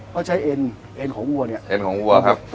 ก็ใช้เอ็นของวัวเนี่ยเอ็นของวัวครับ